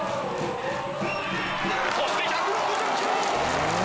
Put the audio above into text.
そして１６０キロ！